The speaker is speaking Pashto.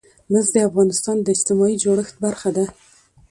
مس د افغانستان د اجتماعي جوړښت برخه ده.